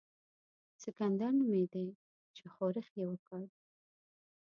سکندر نومېدی چې ښورښ یې کړ.